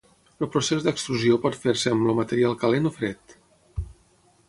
El procés d'extrusió pot fer-se amb el material calent o fred.